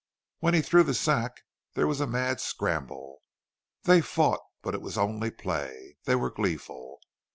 When he threw the sack there was a mad scramble. They fought, but it was only play. They were gleeful.